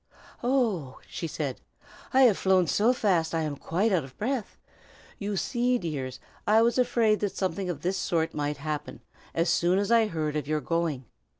"Oh!" she said, "I have flown so fast I am quite out of breath. You see, dears, I was afraid that something of this sort might happen, as soon as I heard of your going.